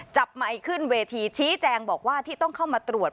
ไมค์ขึ้นเวทีชี้แจงบอกว่าที่ต้องเข้ามาตรวจ